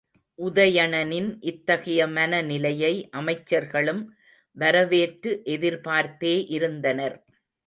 உதயணனின் இத்தகைய மன நிலையை அமைச்சர்களும் வரவேற்று எதிர்பார்த்தே இருந்தனர்.